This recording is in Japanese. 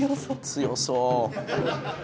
強そう。